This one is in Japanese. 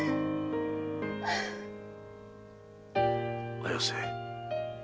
綾瀬